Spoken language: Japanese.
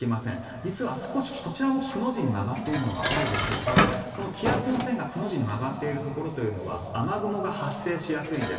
実は少しこちらもくの字に曲がっているのがわかるでしょうか気圧の線が、くの字に曲がっているところというのは雨雲が発生しやすいんです。